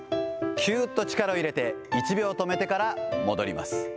きゅーっと力を入れて、１秒止めてから戻ります。